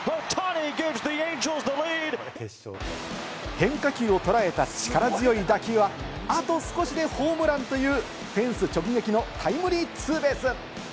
変化球を捉えた力強い打球は、あと少しでホームランというフェンス直撃のタイムリーツーベース！